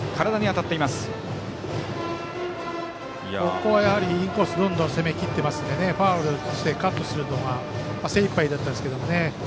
ここはインコースどんどん攻めきっていますのでファウルにしてカットするのが精いっぱいだったですね。